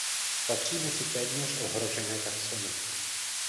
Patří mezi téměř ohrožené taxony.